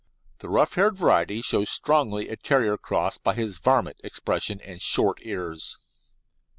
The rough haired variety shows strongly a terrier cross by his "varmint" expression and short ears.